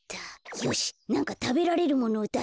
よしなんかたべられるものをだそう。